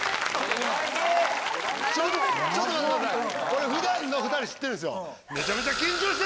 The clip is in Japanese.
俺ふだんの２人知ってるんすよ。